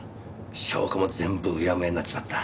証拠も全部うやむやになっちまった。